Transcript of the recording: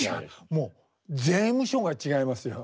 もう税務署が違いますよ。